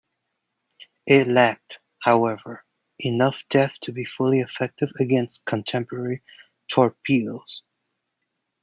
It lacked, however, enough depth to be fully effective against contemporary torpedoes.